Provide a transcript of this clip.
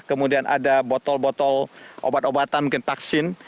kemudian ada botol botol obat obatan mungkin vaksin